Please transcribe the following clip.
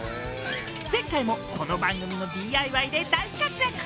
前回もこの番組のＤＩＹで大活躍。